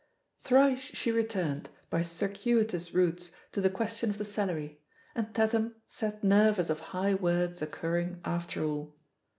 Thrice she returned, by circuitous routes, to the question of the salary, and Tatham sat nervous of high words occurring after all.